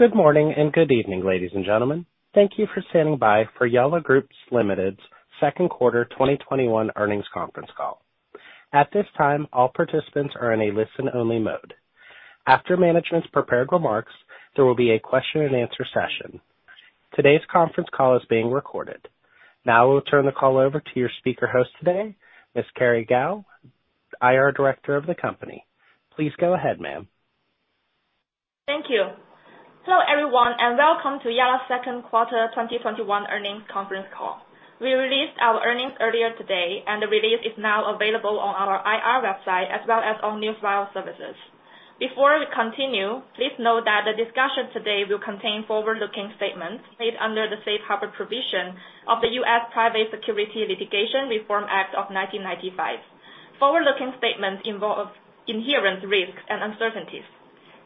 Good morning and good evening, ladies and gentlemen. Thank you for standing by for Yalla Group Limited's second quarter 2021 earnings conference call. At this time, all participants are in a listen-only mode. After management's prepared remarks, there will be a question and answer session. Today's conference call is being recorded. Now I will turn the call over to your speaker host today, Ms. Kerry Gao, IR Director of the company. Please go ahead, ma'am. Thank you. Hello, everyone, and welcome to Yalla's second quarter 2021 earnings conference call. We released our earnings earlier today, and the release is now available on our IR website, as well as on Newswire services. Before we continue, please note that the discussion today will contain forward-looking statements made under the Safe Harbor provision of the US Private Securities Litigation Reform Act of 1995. Forward-looking statements involve inherent risks and uncertainties.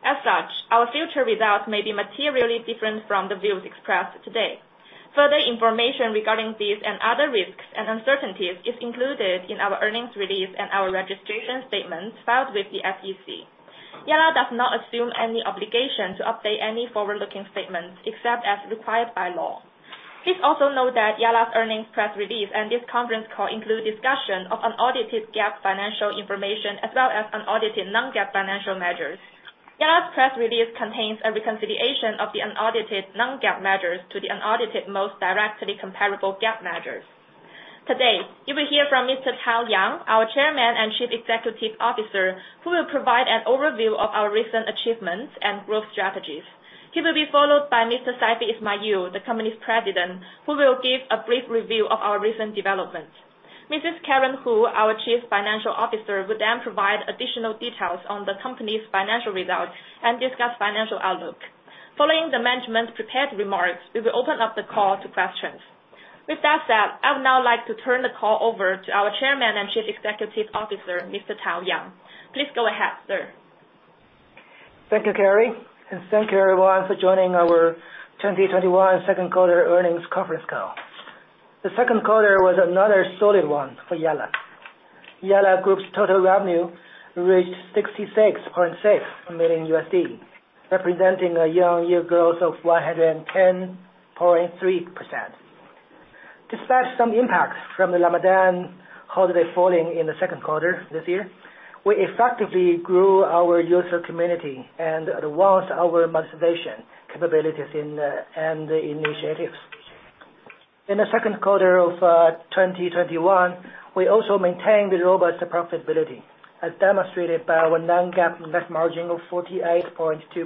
As such, our future results may be materially different from the views expressed today. Further information regarding these and other risks and uncertainties is included in our earnings release and our registration statements filed with the SEC. Yalla does not assume any obligation to update any forward-looking statements except as required by law. Please also note that Yalla's earnings press release and this conference call include discussion of unaudited GAAP financial information as well as unaudited non-GAAP financial measures. Yalla's press release contains a reconciliation of the unaudited non-GAAP measures to the unaudited most directly comparable GAAP measures. Today, you will hear from Mr. Tao Yang, our Chairman and Chief Executive Officer, who will provide an overview of our recent achievements and growth strategies. He will be followed by Mr. Saifi Ismail, the company's President, who will give a brief review of our recent developments. Mrs. Karen Hu, our Chief Financial Officer, will then provide additional details on the company's financial results and discuss financial outlook. Following the management's prepared remarks, we will open up the call to questions. With that said, I would now like to turn the call over to our Chairman and Chief Executive Officer, Mr. Tao Yang. Please go ahead, sir. Thank you, Kerry, and thank you, everyone, for joining our 2021 second quarter earnings conference call. The second quarter was another solid one for Yalla. Yalla Group's total revenue reached $66.6 million, representing a year-on-year growth of 110.3%. Despite some impacts from the Ramadan holiday falling in the second quarter this year, we effectively grew our user community and advanced our monetization capabilities and initiatives. In the second quarter of 2021, we also maintained the robust profitability, as demonstrated by our non-GAAP net margin of 48.2%.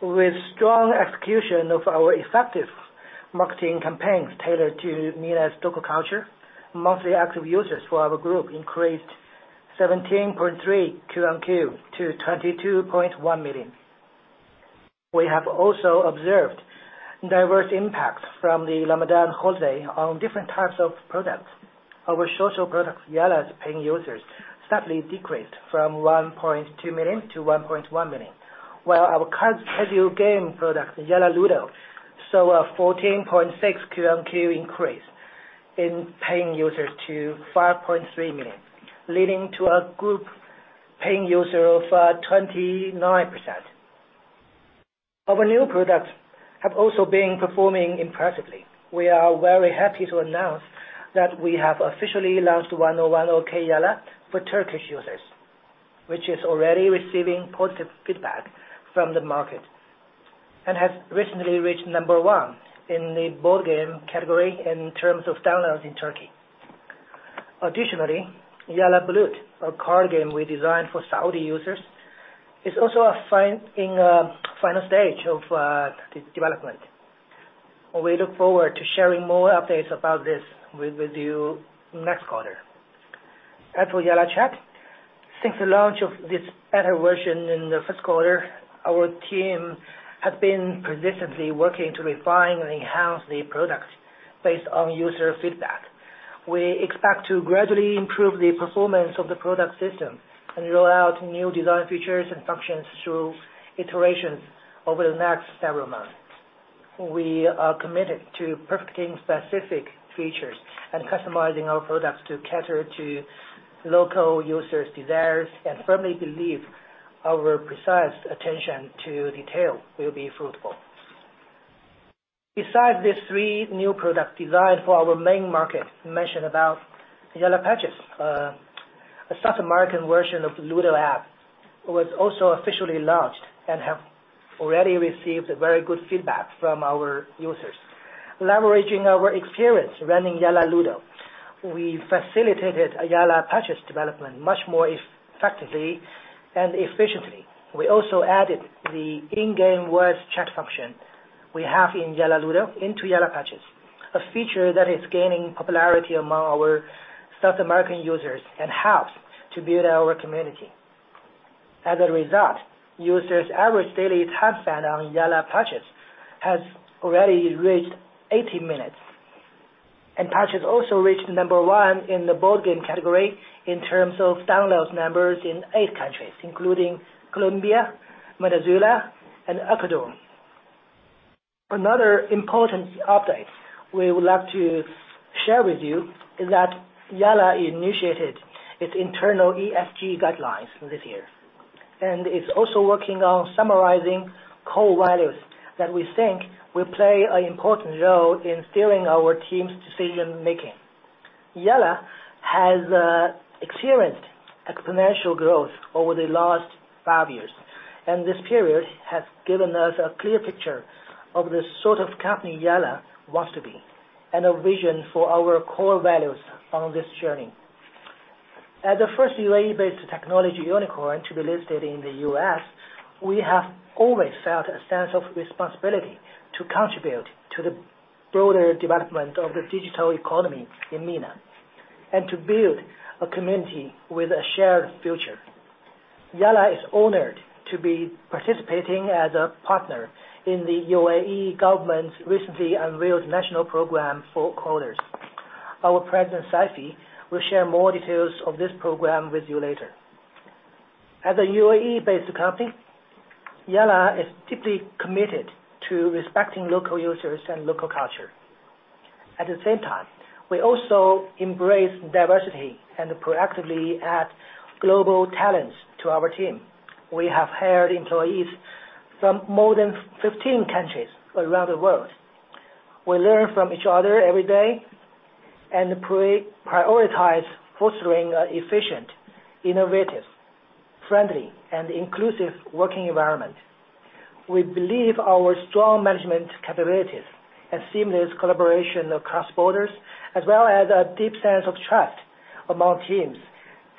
With strong execution of our effective marketing campaigns tailored to MENA's local culture, monthly active users for our group increased 17.3% QOQ to 22.1 million. We have also observed diverse impacts from the Ramadan holiday on different types of products. Our social products, Yalla's paying users, slightly decreased from 1.2 million to 1.1 million. While our casual game product, Yalla Ludo, saw a 14.6% QOQ increase in paying users to 5.3 million, leading to a group paying user of 29%. Our new products have also been performing impressively. We are very happy to announce that we have officially launched 101 Okey Yalla for Turkish users, which is already receiving positive feedback from the market and has recently reached number one in the board game category in terms of downloads in Turkey. Additionally, Yalla Baloot, a card game we designed for Saudi users, is also in the final stage of development. We look forward to sharing more updates about this with you next quarter. As for YallaChat, since the launch of this better version in the first quarter, our team has been persistently working to refine and enhance the product based on user feedback. We expect to gradually improve the performance of the product system and roll out new design features and functions through iterations over the next several months. We are committed to perfecting specific features and customizing our products to cater to local users' desires and firmly believe our precise attention to detail will be fruitful. Besides these three new product designs for our main market, we mentioned about Yalla Parchis, a South American version of Ludo app. It was also officially launched and have already received very good feedback from our users. Leveraging our experience running Yalla Ludo, we facilitated Yalla Parchis development much more effectively and efficiently. We also added the in-game voice chat function we have in Yalla Ludo into Yalla Parchis, a feature that is gaining popularity among our South American users and helps to build our community. As a result, users' average daily time spent on Yalla Parchis has already reached 80 minutes, and Parchis also reached number one in the board game category in terms of download numbers in eight countries, including Colombia, Venezuela, and Ecuador. Another important update we would like to share with you is that Yalla initiated its internal ESG guidelines this year, and is also working on summarizing core values that we think will play an important role in steering our team's decision-making. Yalla has experienced exponential growth over the last five years, and this period has given us a clear picture of the sort of company Yalla wants to be and a vision for our core values on this journey. As the first UAE-based technology unicorn to be listed in the U.S., we have always felt a sense of responsibility to contribute to the broader development of the digital economy in MENA and to build a community with a shared future. Yalla is honored to be participating as a partner in the UAE government's recently unveiled National Program for Coders. Our President, Saifi, will share more details of this program with you later. As a UAE-based company, Yalla is deeply committed to respecting local users and local culture. At the same time, we also embrace diversity and proactively add global talents to our team. We have hired employees from more than 15 countries around the world. We learn from each other every day and prioritize fostering an efficient, innovative, friendly, and inclusive working environment. We believe our strong management capabilities and seamless collaboration across borders, as well as a deep sense of trust among teams,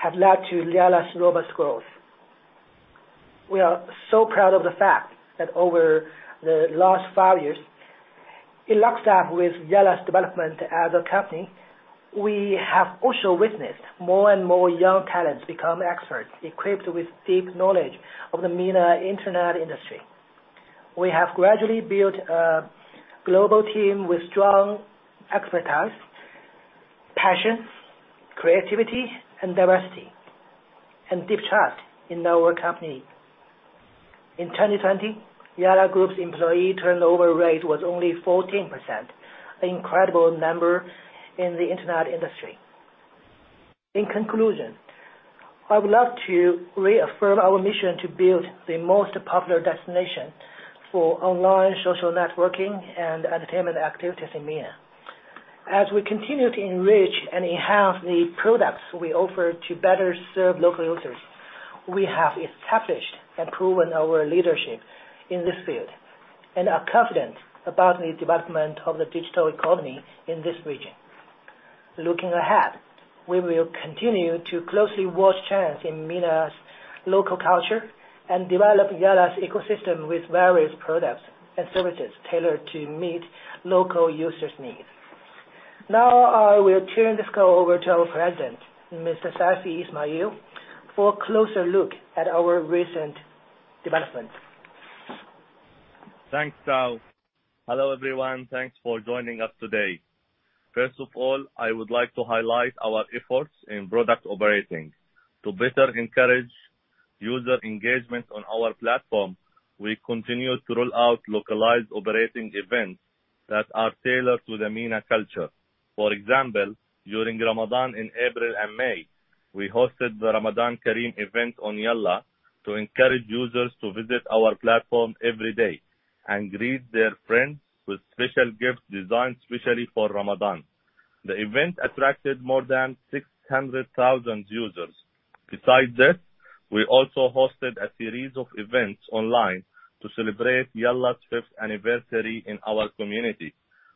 have led to Yalla's robust growth. We are so proud of the fact that over the last five years, in lockstep with Yalla's development as a company, we have also witnessed more and more young talents become experts equipped with deep knowledge of the MENA internet industry. We have gradually built a global team with strong expertise, passion, creativity and diversity, and deep trust in our company. In 2020, Yalla Group's employee turnover rate was only 14%, an incredible number in the internet industry. In conclusion, I would love to reaffirm our mission to build the most popular destination for online social networking and entertainment activities in MENA. As we continue to enrich and enhance the products we offer to better serve local users, we have established and proven our leadership in this field and are confident about the development of the digital economy in this region. Looking ahead, we will continue to closely watch trends in MENA's local culture and develop Yalla's ecosystem with various products and services tailored to meet local users' needs. Now, I will turn this call over to our President Saifi Ismail for a closer look at our recent developments. Thanks, Tao. Hello, everyone, thanks for joining us today. First of all, I would like to highlight our efforts in product operating. To better encourage user engagement on our platform, we continue to roll out localized operating events that are tailored to the MENA culture. For example, during Ramadan in April and May, we hosted the Ramadan Kareem event on Yalla to encourage users to visit our platform every day and greet their friends with special gifts designed specially for Ramadan. The event attracted more than 600,000 users. Besides this, we also hosted a series of events online to celebrate Yalla's fifth anniversary in our community.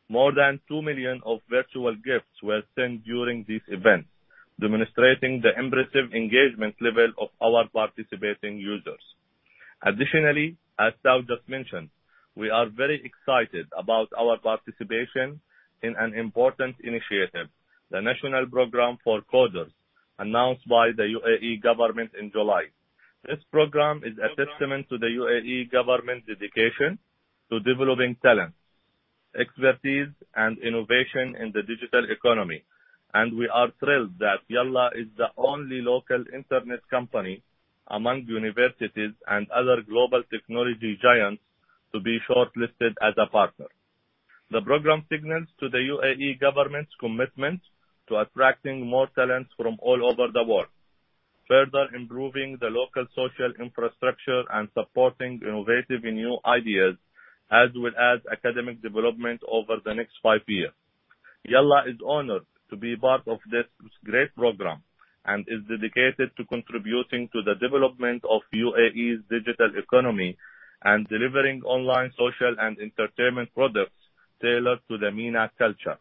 More than two million of virtual gifts were sent during these events, demonstrating the impressive engagement level of our participating users. Additionally, as Tao Yang just mentioned, we are very excited about our participation in an important initiative, the National Program for Coders, announced by the UAE government in July. This program is a testament to the UAE government's dedication to developing talent, expertise, and innovation in the digital economy, and we are thrilled that Yalla is the only local internet company among universities and other global technology giants to be shortlisted as a partner. The program signals to the UAE government's commitment to attracting more talents from all over the world, further improving the local social infrastructure, and supporting innovative and new ideas, as well as academic development over the next five years. Yalla is honored to be part of this great program and is dedicated to contributing to the development of UAE's digital economy and delivering online social and entertainment products tailored to the MENA culture.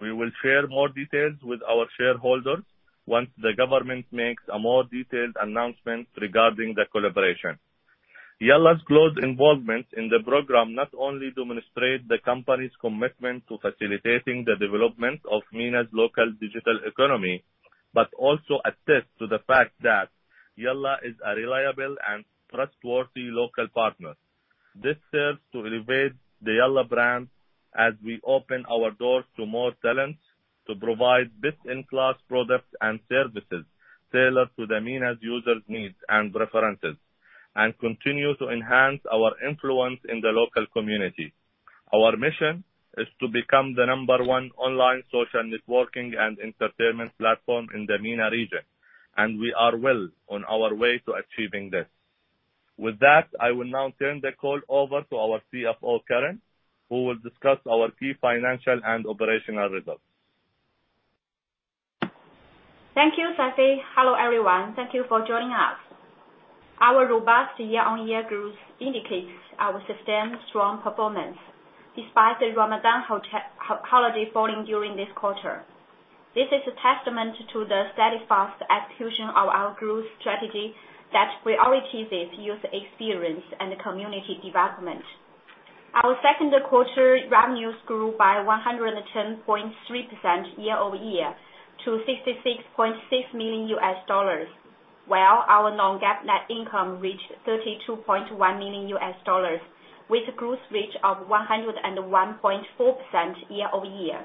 We will share more details with our shareholders once the government makes a more detailed announcement regarding the collaboration. Yalla's close involvement in the Program not only demonstrates the company's commitment to facilitating the development of MENA's local digital economy, but also attests to the fact that Yalla is a reliable and trustworthy local partner. This serves to elevate the Yalla brand as we open our doors to more talents to provide best-in-class products and services tailored to the MENA's users' needs and preferences, and continue to enhance our influence in the local community. Our mission is to become the number one online social networking and entertainment platform in the MENA region, and we are well on our way to achieving this. With that, I will now turn the call over to our CFO Karen, who will discuss our key financial and operational results. Thank you, Saifi. Hello, everyone, thank you for joining us. Our robust year-on-year growth indicates our sustained strong performance, despite the Ramadan falling during this quarter. This is a testament to the steadfast execution of our growth strategy that prioritizes user experience and community development. Our second quarter revenues grew by 110.3% year-over-year to $66.6 million, while our non-GAAP net income reached $32.1 million, with growth rate of 101.4% year-over-year.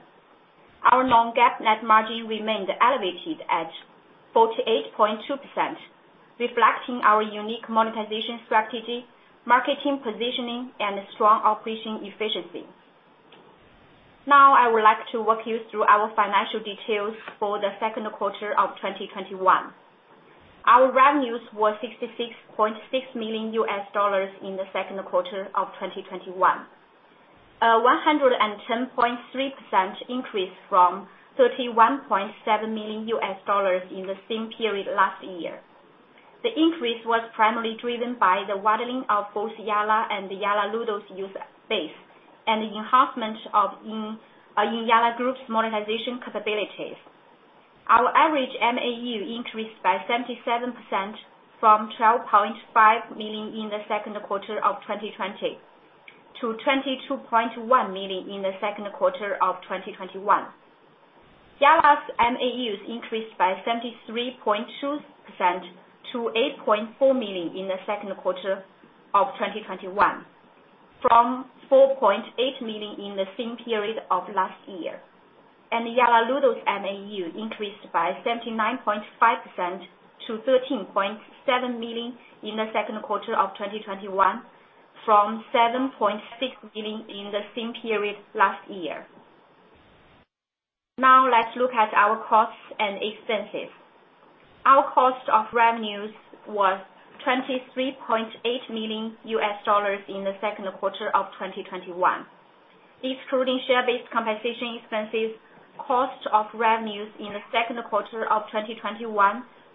Our non-GAAP net margin remained elevated at 48.2%, reflecting our unique monetization strategy, marketing positioning, and strong operating efficiency. I would like to walk you through our financial details for the second quarter of 2021. Our revenues were $66.6 million in the second quarter of 2021, a 110.3% increase from $31.7 million in the same period last year. The increase was primarily driven by the widening of both Yalla and Yalla Ludo's user base and the enhancement in Yalla Group's monetization capabilities. Our average MAU increased by 77% from 12.5 million in the second quarter of 2020 to 22.1 million in the second quarter of 2021. Yalla's MAUs increased by 73.2% to 8.4 million in the second quarter of 2021, from 4.8 million in the same period of last year. Yalla Ludo's MAU increased by 79.5% to 13.7 million in the second quarter of 2021 from 7.6 million in the same period last year. Let's look at our costs and expenses. Our cost of revenues was $23.8 million in the second quarter of 2021. Excluding share-based compensation expenses, cost of revenues in the second quarter of 2021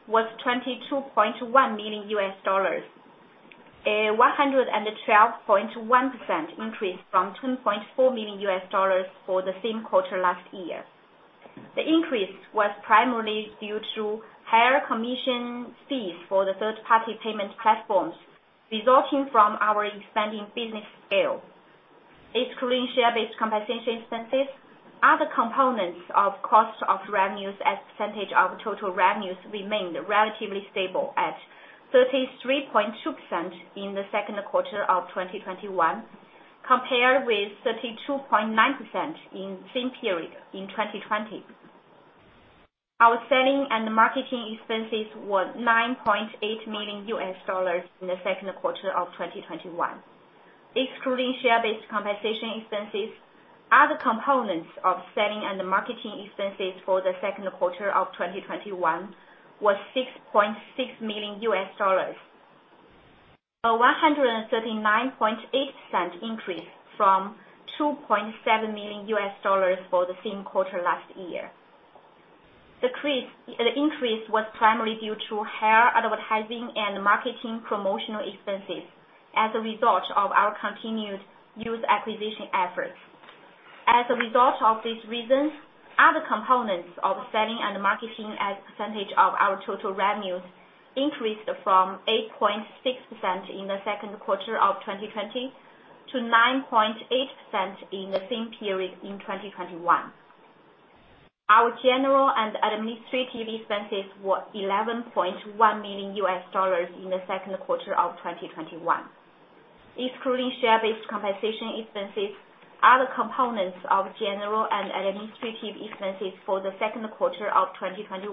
was $22.1 million, a 112.1% increase from $10.4 million for the same quarter last year. The increase was primarily due to higher commission fees for the third-party payment platforms resulting from our expanding business scale. Excluding share-based compensation expenses, other components of cost of revenues as a percentage of total revenues remained relatively stable at 33.2% in the second quarter of 2021, compared with 32.9% in the same period in 2020. Our selling and marketing expenses were $9.8 million in the second quarter of 2021. Excluding share-based compensation expenses, other components of selling and marketing expenses for the second quarter of 2021 was $6.6 million. A 139.8% increase from $2.7 million for the same quarter last year. The increase was primarily due to higher advertising and marketing promotional expenses as a result of our continued user acquisition efforts. As a result of these reasons, other components of selling and marketing as a percentage of our total revenues increased from 8.6% in the second quarter of 2020 to 9.8% in the same period in 2021. Our general and administrative expenses were $11.1 million in the second quarter of 2021. Excluding share-based compensation expenses, other components of general and administrative expenses for the second quarter of 2021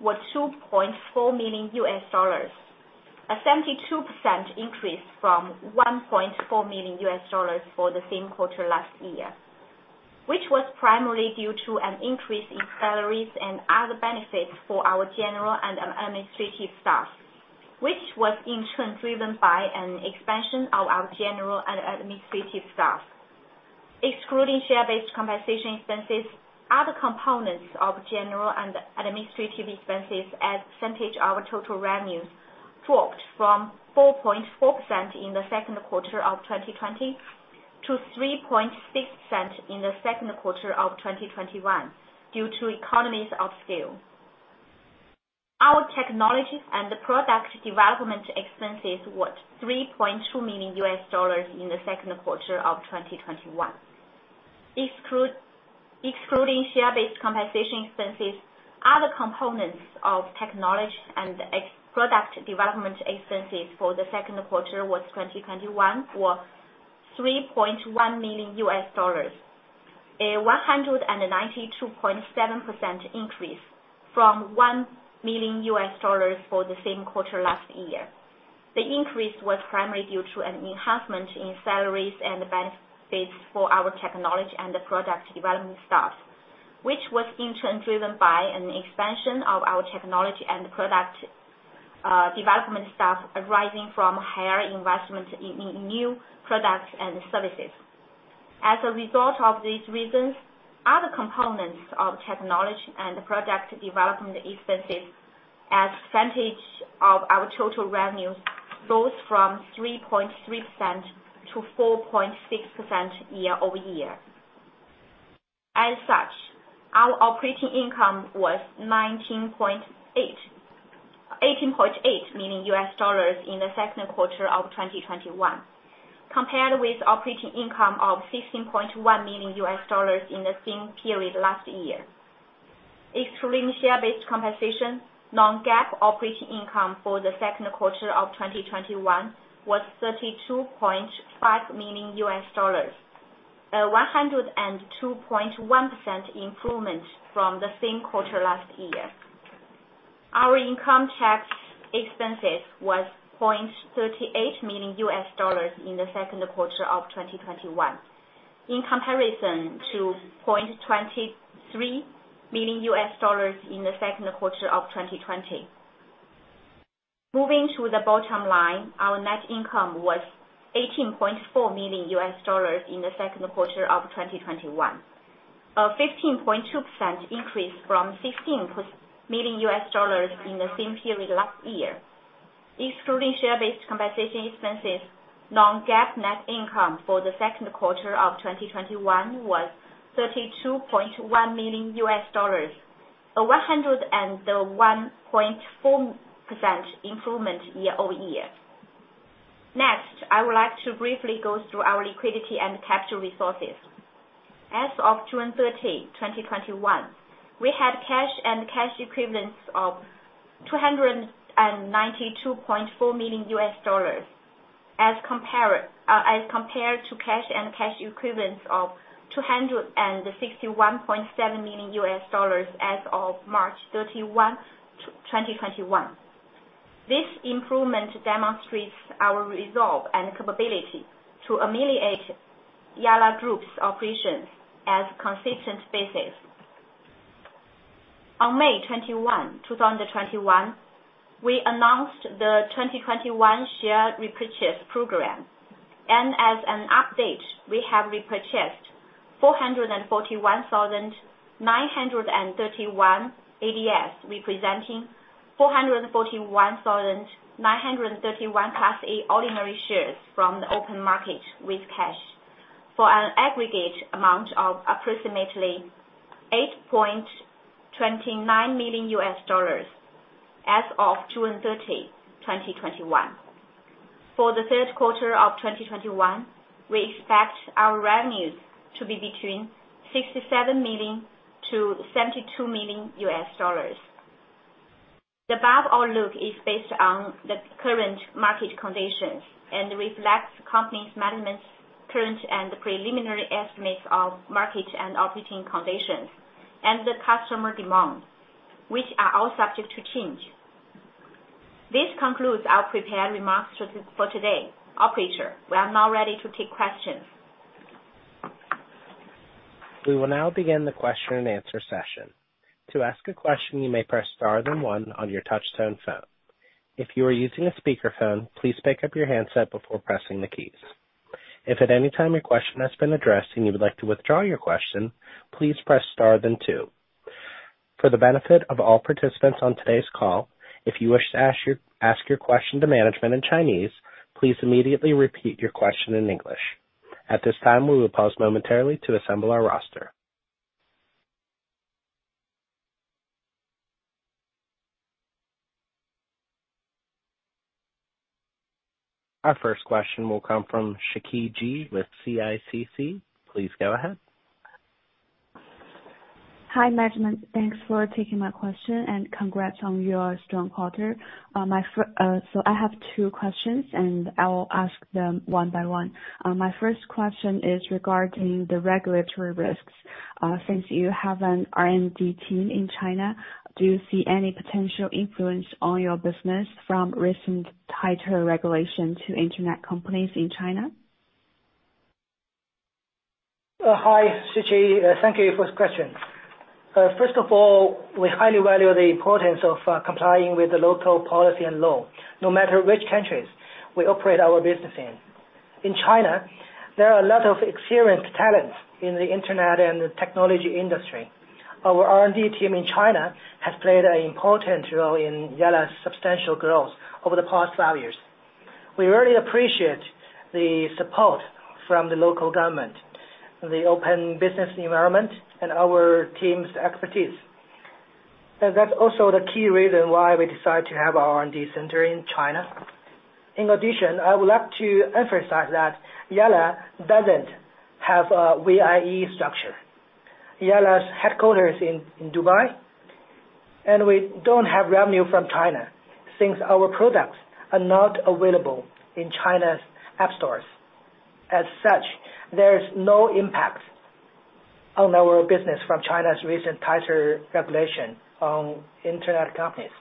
were $2.4 million, a 72% increase from $1.4 million for the same quarter last year, which was primarily due to an increase in salaries and other benefits for our general and administrative staff, which was in turn driven by an expansion of our general and administrative staff. Excluding share-based compensation expenses, other components of general and administrative expenses as a percentage of our total revenues dropped from 4.4% in the second quarter of 2020 to 3.6% in the second quarter of 2021 due to economies of scale. Our technology and product development expenses were $3.2 million in the second quarter of 2021. Excluding share-based compensation expenses, other components of technology and product development expenses for the second quarter of 2021 were $3.1 million, a 192.7% increase from $1 million for the same quarter last year. The increase was primarily due to an enhancement in salaries and benefits for our technology and product development staff, which was in turn driven by an expansion of our technology and product development staff arising from higher investment in new products and services. As a result of these reasons, other components of technology and product development expenses as percentage of our total revenue rose from 3.3% to 4.6% year-over-year. As such, our operating income was $18.8 million in the second quarter of 2021, compared with operating income of $16.1 million in the same period last year. Excluding share-based compensation, non-GAAP operating income for the second quarter of 2021 was $32.5 million, a 102.1% improvement from the same quarter last year. Our income tax expenses was $0.38 million in the second quarter of 2021, in comparison to $0.23 million in the second quarter of 2020. Moving to the bottom line, our net income was $18.4 million in the second quarter of 2021, a 15.2% increase from $16 million in the same period last year. Excluding share-based compensation expenses, non-GAAP net income for the second quarter of 2021 was $32.1 million, a 101.4% improvement year-over-year. I would like to briefly go through our liquidity and cash resources. As of June 30, 2021, we had cash and cash equivalents of $292.4 million as compared to cash and cash equivalents of $261.7 million as of March 31, 2021. This improvement demonstrates our resolve and capability to ameliorate Yalla Group's operations as consistent basis. On May 21, 2021, we announced the 2021 share repurchase program. As an update, we have repurchased 441,931 ADS, representing 441,931 Class A ordinary shares from the open market with cash for an aggregate amount of approximately $8.29 million as of June 30, 2021. For the third quarter of 2021, we expect our revenues to be between $67 million-$72 million. The above outlook is based on the current market conditions and reflects the company's management's current and preliminary estimates of market and operating conditions and the customer demand, which are all subject to change. This concludes our prepared remarks for today. Operator, we are now ready to take questions. Our first question will come from Shiqi Ge with CICC. Please go ahead. Hi, management. Thanks for taking my question, and congrats on your strong quarter. I have two questions, and I will ask them one by one. My first question is regarding the regulatory risks. Since you have an R&D team in China, do you see any potential influence on your business from recent tighter regulations to internet companies in China? Hi, Shiqi. Thank you for the question. First of all, we highly value the importance of complying with the local policy and law, no matter which countries we operate our business in. In China, there are a lot of experienced talents in the internet and the technology industry. Our R&D team in China has played an important role in Yalla's substantial growth over the past five years. We really appreciate the support from the local government, the open business environment, and our team's expertise That's also the key reason why we decided to have our R&D center in China. In addition, I would like to emphasize that Yalla doesn't have a VIE structure. Yalla's headquarters in Dubai, and we don't have revenue from China since our products are not available in China's app stores. As such, there is no impact on our business from China's recent tighter regulation on internet companies.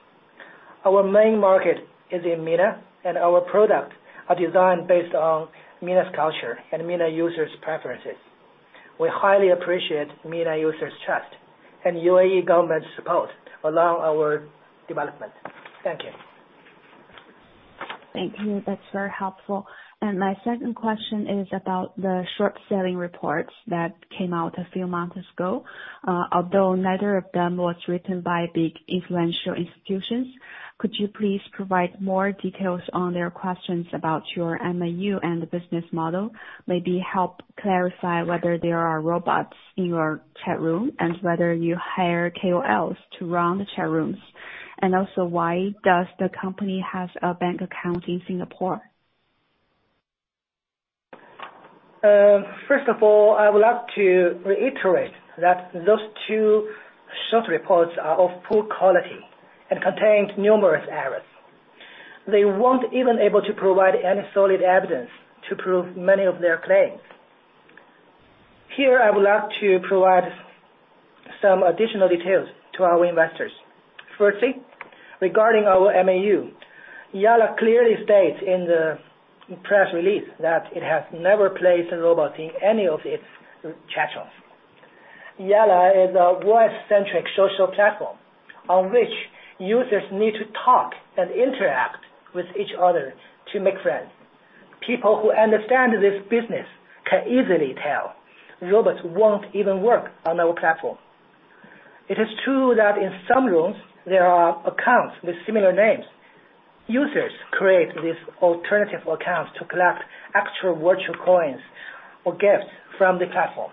Our main market is in MENA, and our products are designed based on MENA's culture and MENA users' preferences. We highly appreciate MENA users' trust and UAE government's support along our development. Thank you. Thank you, that's very helpful. My second question is about the short selling reports that came out a few months ago. Although neither of them was written by big influential institutions, could you please provide more details on their questions about your MAU and the business model? Maybe help clarify whether there are robots in your chat room and whether you hire KOLs to run the chat rooms. Also why does the company have a bank account in Singapore? First of all, I would like to reiterate that those two short reports are of poor quality and contained numerous errors. They weren't even able to provide any solid evidence to prove many of their claims. Here, I would like to provide some additional details to our investors. Firstly, regarding our MAU, Yalla clearly states in the press release that it has never placed robots in any of its chat rooms. Yalla is a voice-centric social platform on which users need to talk and interact with each other to make friends. People who understand this business can easily tell robots won't even work on our platform. It is true that in some rooms there are accounts with similar names. Users create these alternative accounts to collect extra virtual coins or gifts from the platform.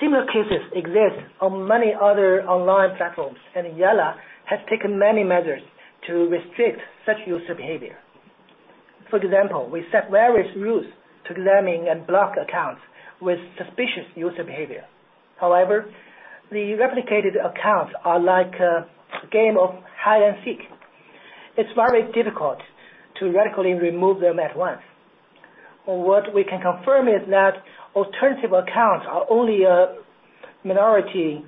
Similar cases exist on many other online platforms, and Yalla has taken many measures to restrict such user behavior. For example, we set various rules to examine and block accounts with suspicious user behavior. However, the replicated accounts are like a game of hide and seek. It's very difficult to radically remove them at once. What we can confirm is that alternative accounts are only a minority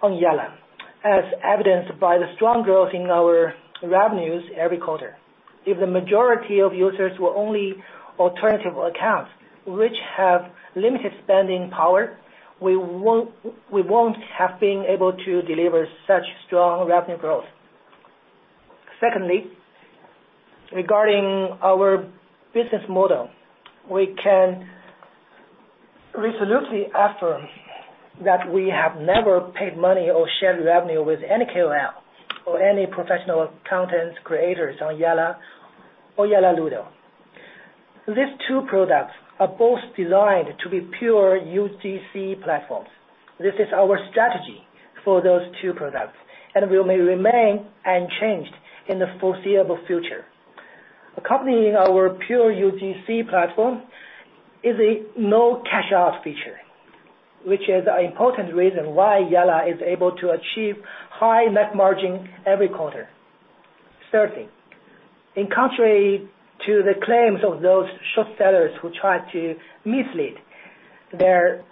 on Yalla, as evidenced by the strong growth in our revenues every quarter. If the majority of users were only alternative accounts, which have limited spending power, we won't have been able to deliver such strong revenue growth. Secondly, regarding our business model, we can resolutely affirm that we have never paid money or shared revenue with any KOL or any professional content creators on Yalla or Yalla Ludo. These two products are both designed to be pure UGC platforms. This is our strategy for those two products and will remain unchanged in the foreseeable future. Accompanying our pure UGC platform is a no-cash-out feature, which is an important reason why Yalla is able to achieve high net margin every quarter. Thirdly, in contrary to the claims of those short sellers who try to mislead their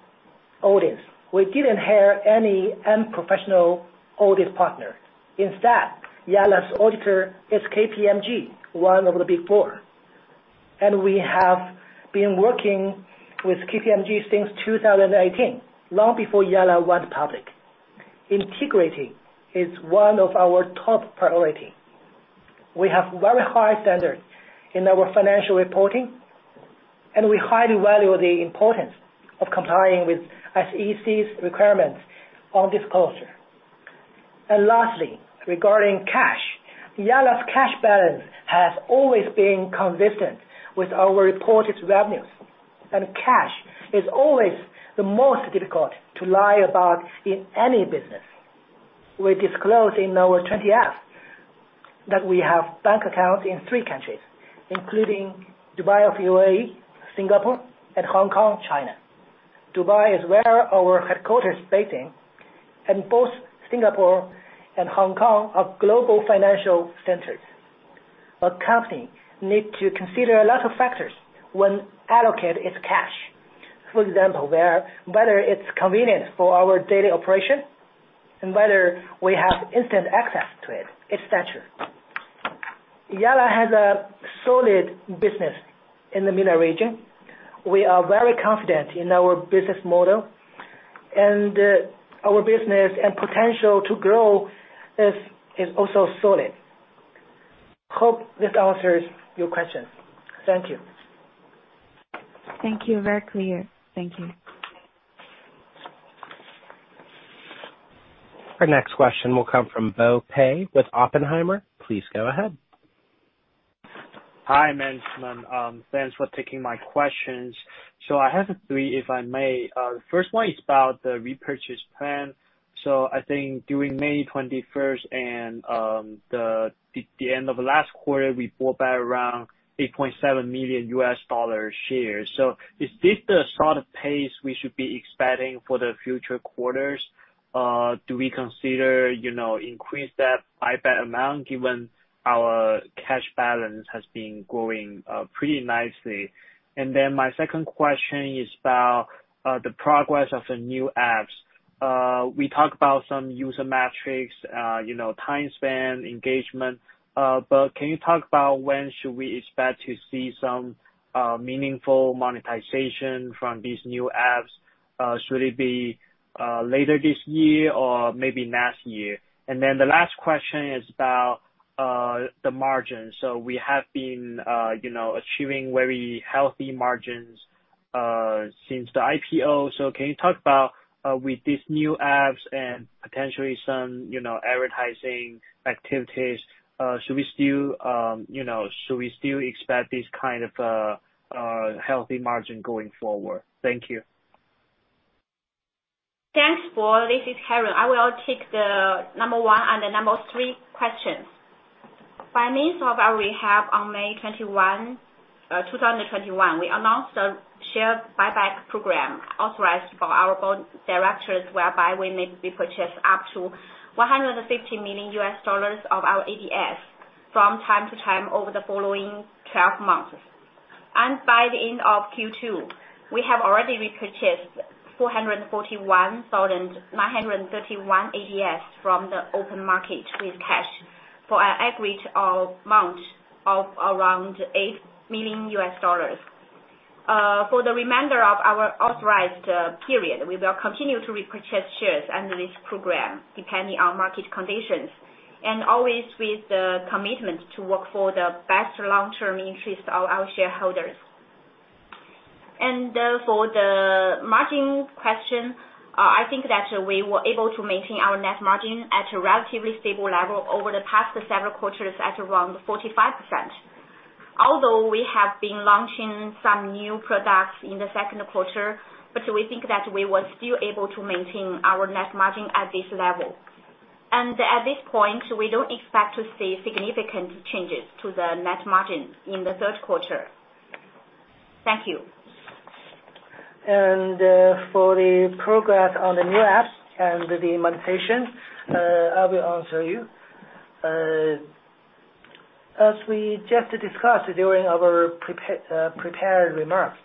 audience, we didn't hire any unprofessional audit partner. Instead, Yalla's auditor is KPMG, one of the Big Four. We have been working with KPMG since 2018, long before Yalla went public. Integrity is one of our top priority. We have very high standards in our financial reporting, and we highly value the importance of complying with SEC's requirements on disclosure. Lastly, regarding cash, Yalla's cash balance has always been consistent with our reported revenues. Cash is always the most difficult to lie about in any business. We disclose in our 20F that we have bank accounts in three countries, including Dubai of UAE, Singapore, and Hong Kong, China. Dubai is where our headquarters is based in, and both Singapore and Hong Kong are global financial centers. A company needs to consider a lot of factors when allocate its cash. For example, whether it's convenient for our daily operation and whether we have instant access to it, et cetera. Yalla has a solid business in the MENA region. We are very confident in our business model and our business and potential to grow is also solid. Hope this answers your question. Thank you. Thank you, very clear. Thank you. Our next question will come from Bo Pei with Oppenheimer. Please go ahead. Hi, management, thanks for taking my questions. I have three, if I may. The first one is about the repurchase plan. I think during May 21st and the end of last quarter, we bought back around $8.7 million shares. Is this the sort of pace we should be expecting for the future quarters? Do we consider increasing that buyback amount, given our cash balance has been growing pretty nicely? My 2nd question is about the progress of the new apps. We talked about some user metrics, timespan, engagement. Can you talk about when should we expect to see some meaningful monetization from these new apps? Should it be later this year or maybe next year? The last question is about the margin. We have been achieving very healthy margins since the IPO. Can you talk about, with these new apps and potentially some advertising activities, should we still expect this kind of healthy margin going forward? Thank you. Thanks, Bo, This is Karen. I will take the number one and the number three questions. By means of our recap on May 21, 2021, we announced a share buyback program authorized by our board of directors, whereby we may repurchase up to $150 million of our ADS from time to time over the following 12 months. By the end of Q2, we have already repurchased 441,931 ADS from the open market with cash for an aggregate amount of around $8 million. For the remainder of our authorized period, we will continue to repurchase shares under this program, depending on market conditions, and always with the commitment to work for the best long-term interest of our shareholders. For the margin question, I think that we were able to maintain our net margin at a relatively stable level over the past several quarters at around 45%. Although we have been launching some new products in the second quarter, but we think that we were still able to maintain our net margin at this level. At this point, we don't expect to see significant changes to the net margin in the third quarter. Thank you. For the progress on the new apps and the monetization, I will answer you. As we just discussed during our prepared remarks,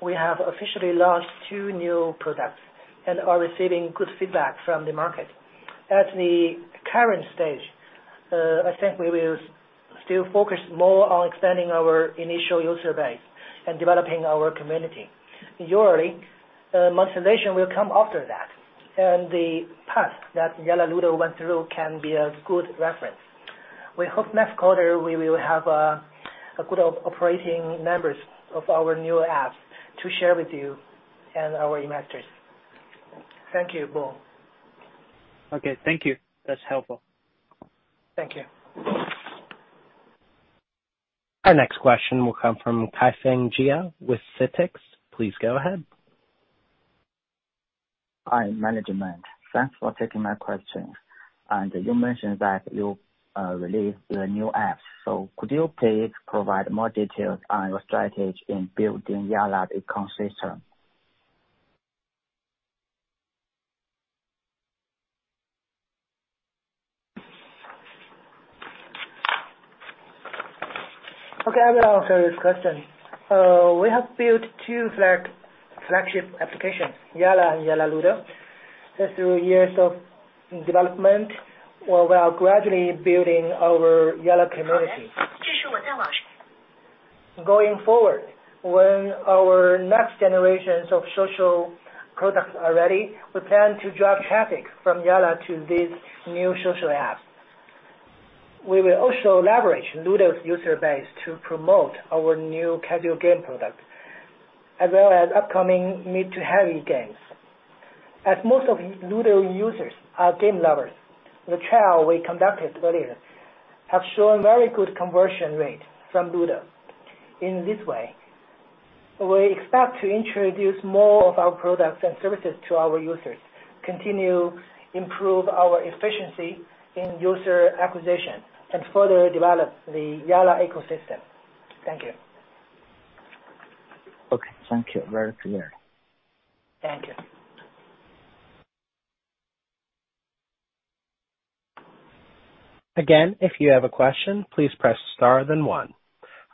we have officially launched two new products and are receiving good feedback from the market. At the current stage, I think we will still focus more on expanding our initial user base and developing our community. Usually, monetization will come after that, and the path that Yalla Ludo went through can be a good reference. We hope next quarter we will have good operating numbers of our new apps to share with you and our investors. Thank you, Bo. Okay, thank you. That's helpful. Thank you. Our next question will come from Kaifang Jia with CITICS. Please go ahead. Hi, management. Thanks for taking my questions. You mentioned that you released the new apps. Could you please provide more details on your strategy in building Yalla ecosystem? Okay, I will answer this question. We have built two flagship applications, Yalla and Yalla Ludo. Through years of development, we are gradually building our Yalla community. Going forward, when our next generations of social products are ready, we plan to drive traffic from Yalla to these new social apps. We will also leverage Ludo's user base to promote our new casual game product, as well as upcoming mid to heavy games. As most of Ludo users are game lovers, the trial we conducted earlier have shown very good conversion rate from Ludo. In this way, we expect to introduce more of our products and services to our users, continue improve our efficiency in user acquisition, and further develop the Yalla ecosystem. Thank you. Okay, thank you. Very clear. Thank you. Again, if you have a question, please press star then one.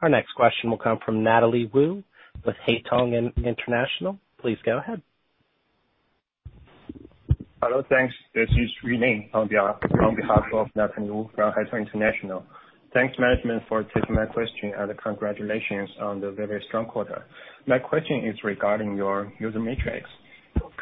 Our next question will come from Natalie Wu with Haitong International. Please go ahead. Hello. Thanks. This is Yulin on behalf of Natalie Wu from Haitong International. Thanks management for taking my question, and congratulations on the very strong quarter. My question is regarding your user metrics.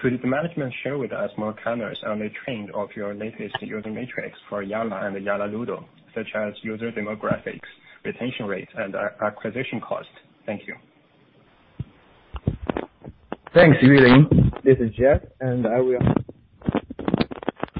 Could the management share with us more comments on the trend of your latest user metrics for Yalla and Yalla Ludo, such as user demographics, retention rates, and acquisition cost? Thank you. Thanks, YuLin. This is Jeff.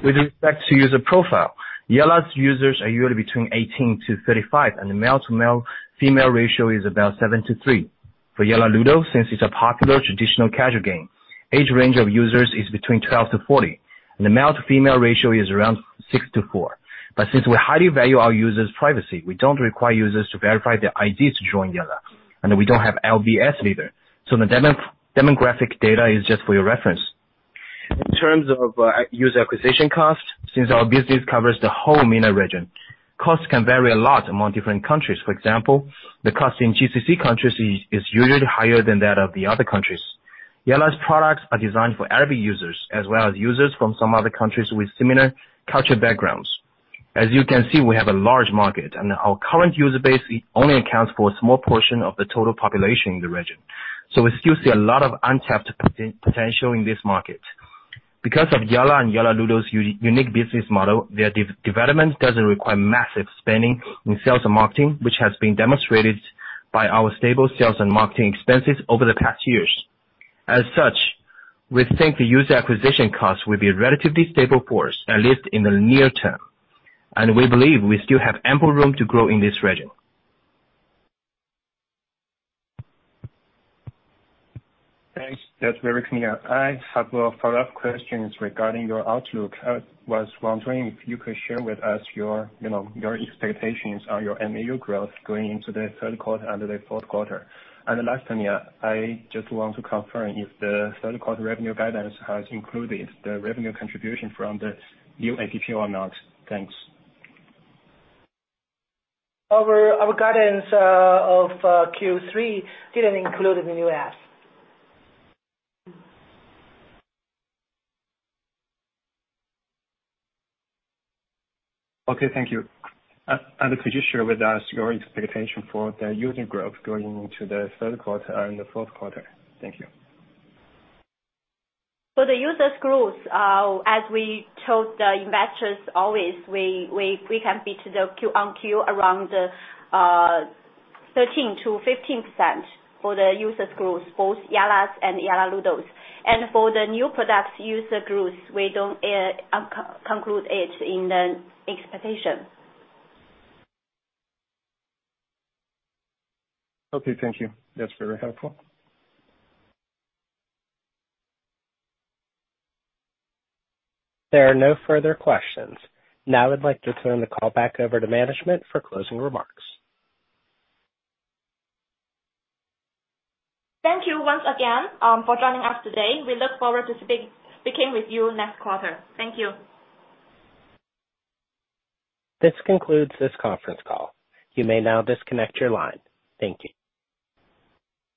With respect to user profile, Yalla's users are usually between 18-35, and the male to female ratio is about 7:3. For Yalla Ludo, since it's a popular traditional casual game, age range of users is between 12-40, and the male to female ratio is around 6:4. Since we highly value our users' privacy, we don't require users to verify their IDs to join Yalla, and we don't have LBS either, so the demographic data is just for your reference. In terms of user acquisition cost, since our business covers the whole MENA region, costs can vary a lot among different countries. For example, the cost in GCC countries is usually higher than that of the other countries. Yalla's products are designed for Arab users, as well as users from some other countries with similar cultural backgrounds. As you can see, we have a large market. Our current user base only accounts for a small portion of the total population in the region. We still see a lot of untapped potential in this market. Because of Yalla and Yalla Ludo's unique business model, their development doesn't require massive spending in sales and marketing, which has been demonstrated by our stable sales and marketing expenses over the past years. As such, we think the user acquisition cost will be a relatively stable force, at least in the near term. We believe we still have ample room to grow in this region. Thanks, that's very clear. I have a follow-up question regarding your outlook. I was wondering if you could share with us your expectations on your MAU growth going into the third quarter and the fourth quarter. Lastly, I just want to confirm if the third quarter revenue guidance has included the revenue contribution from the new app or not. Thanks. Our guidance of Q3 didn't include the new app. Okay, thank you. Could you share with us your expectation for the user growth going into the third quarter and the fourth quarter? Thank you. For the users growth, as we told the investors always, we can beat the Q on Q around 13%-15% for the users growth, both Yalla's and Yalla Ludo's. For the new product user growth, we don't conclude it in the expectation. Okay, thank you. That's very helpful. There are no further questions. Now I'd like to turn the call back over to management for closing remarks. Thank you once again for joining us today, we look forward to speaking with you next quarter. Thank you. This concludes this conference call. You may now disconnect your line. Thank you.